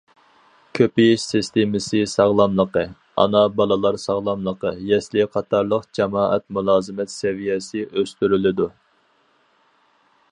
كۆپىيىش سىستېمىسى ساغلاملىقى، ئانا- بالىلار ساغلاملىقى، يەسلى قاتارلىق جامائەت مۇلازىمەت سەۋىيەسى ئۆستۈرۈلىدۇ.